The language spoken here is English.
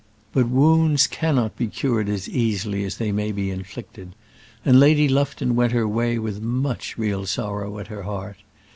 But wounds cannot be cured as easily as they may be inflicted, and Lady Lufton went her way with much real sorrow at her heart.